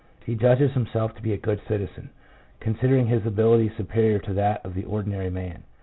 He judges himself to be a good citizen, considering his ability superior to that of the ordinary man.